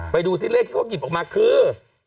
ไปดูซิเลขที่เขาหยิบออกมาคือ